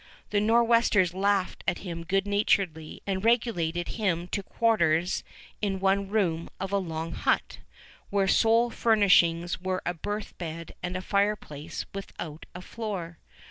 The Nor'westers laughed at him good naturedly and relegated him to quarters in one room of a log hut, where sole furnishings were a berth bed and a fireplace without a floor.